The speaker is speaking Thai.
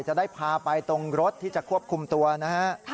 จะได้พาไปตรงรถที่จะควบคุมตัวนะฮะ